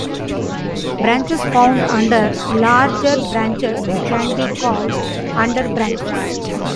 Branches found under larger branches can be called underbranches.